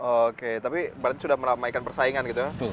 oke tapi berarti sudah meramaikan persaingan gitu ya